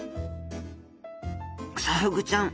クサフグちゃん